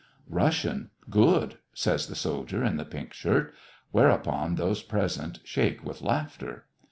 "Russian, good," says the soldier in the pink shirt : whereupon those present shake with laugh ter.